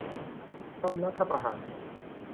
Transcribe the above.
ทำรัฐประหาร